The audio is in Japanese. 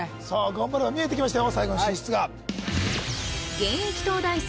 頑張れば見えてきましたよ